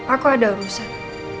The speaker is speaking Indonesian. aku ada urusan